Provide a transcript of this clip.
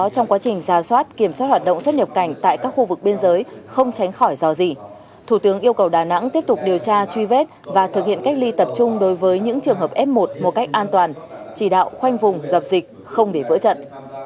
trong quá trình ra soát kiểm soát hoạt động xuất nhập cảnh tại các khu vực biên giới không tránh khỏi do gì thủ tướng yêu cầu đà nẵng tiếp tục điều tra truy vết và thực hiện cách ly tập trung đối với những trường hợp f một một cách an toàn chỉ đạo khoanh vùng dập dịch không để vỡ trận